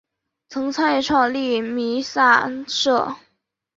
曾参与创立弥洒社。